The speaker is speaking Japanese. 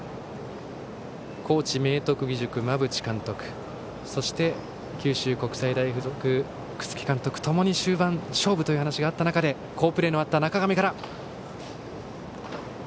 高知・明徳義塾、馬淵監督そして、九州国際大付属楠城監督ともに終盤勝負という話があった中で好プレーのあった中上から。